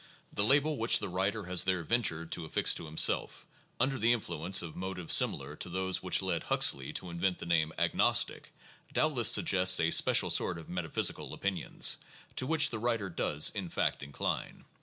The label which the writer has there ventured to affix to himself — under the influence of motives similar to those which led Huxley to invent the name '' agnostic ''— doubtless suggests a special sort of metaphysical opinions, to which the writer does, in fact, incline.